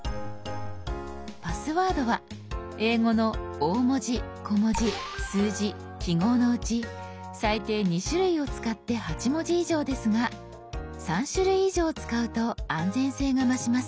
「パスワード」は英語の大文字小文字数字記号のうち最低２種類を使って８文字以上ですが３種類以上使うと安全性が増します。